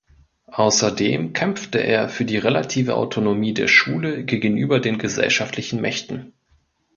Außerdem kämpfte er für die relative Autonomie der Schule gegenüber den gesellschaftlichen Mächten.